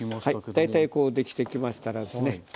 大体こうできてきましたらですね